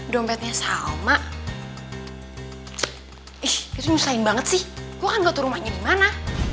dompetnya salma ih itu nyeselin banget sih gue gak tau rumahnya dimana